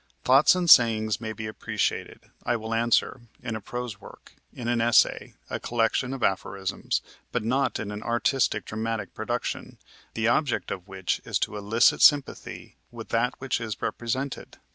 Thoughts and sayings may be appreciated, I will answer, in a prose work, in an essay, a collection of aphorisms, but not in an artistic dramatic production, the object of which is to elicit sympathy with that which is represented.